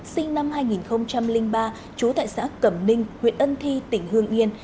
sinh năm hai nghìn ba trú tại xã cẩm ninh huyện ân thi tỉnh hương yên